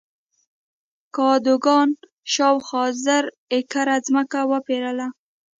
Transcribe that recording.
کادوګان شاوخوا زر ایکره ځمکه وپېرله.